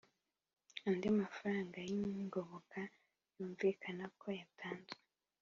Andi mafaranga y ingoboka yumvikana ko yatanzwe